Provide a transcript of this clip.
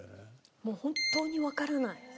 もう本当にわからない。